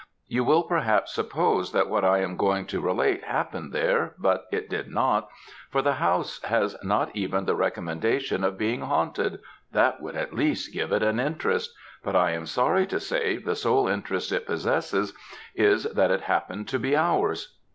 You will perhaps suppose that what I am going to relate happened there, but it did not, for the house has not even the recommendation of being haunted that would at least give it an interest but I am sorry to say the sole interest it possesses is, that it happens to be ours.